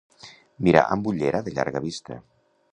Mirar amb ullera de llarga vista.